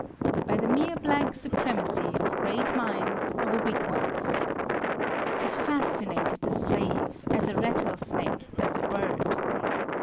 By the mere blank supremacy of great minds over weak ones. He fascinated the slave, as a rattlesnake does a bird.